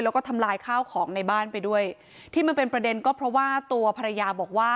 แล้วก็ทำลายข้าวของในบ้านไปด้วยที่มันเป็นประเด็นก็เพราะว่าตัวภรรยาบอกว่า